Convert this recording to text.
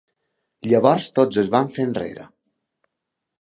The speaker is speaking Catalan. Llavors tots es van fer enrere.